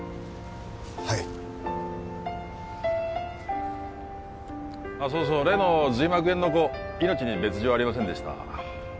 はいそうそう例の髄膜炎の子命に別状ありませんでした